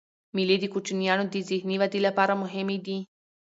مېلې د کوچنيانو د ذهني ودي له پاره مهمي دي.